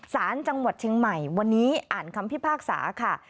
สารจังหวัดเชียงใหม่วันนี้อ่านคำพิพากษาค่ะ